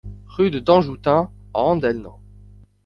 Rue de Danjoutin à Andelnans